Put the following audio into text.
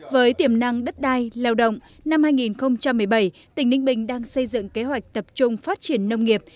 với tiềm năng đất đai lao động năm hai nghìn một mươi bảy tỉnh ninh bình đang xây dựng kế hoạch tập trung phát triển nông nghiệp